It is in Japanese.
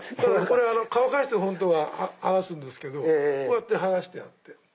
乾かして本当は剥がすんですけどこうやって剥がしてやって。